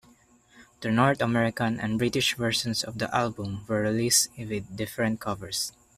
The North American and British versions of the album were released with different covers.